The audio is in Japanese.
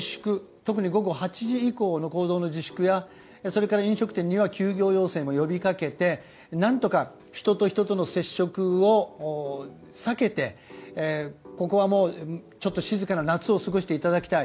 特に午後８時以降の行動の自粛やそれから飲食店には休業要請も呼びかけて何とか人と人との接触を避けてここはもう、静かな夏を過ごしていただきたい。